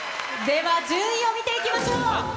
では、順位を見ていきましょう。